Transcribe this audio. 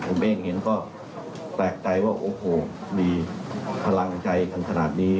ผมเองเห็นก็แปลกใจว่าโอ้โหมีพลังใจกันขนาดนี้